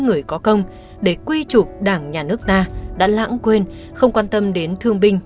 người có công để quy trục đảng nhà nước ta đã lãng quên không quan tâm đến thương binh